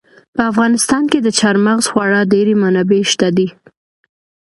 په افغانستان کې د چار مغز خورا ډېرې منابع شته دي.